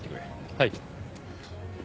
はい。